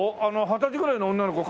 二十歳ぐらいの子。